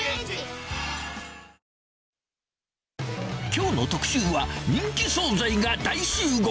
きょうの特集は、人気総菜が大集合！